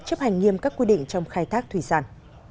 chấp hành nghiêm các quy định trong khai thác thủy sản